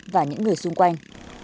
và những người xung quanh